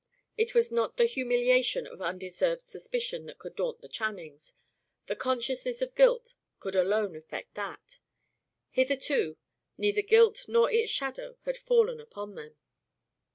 It was not the humiliation of undeserved suspicion that could daunt the Channings: the consciousness of guilt could alone effect that. Hitherto, neither guilt nor its shadow had fallen upon them.